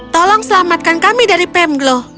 tolong selamatkan kami dari pemglo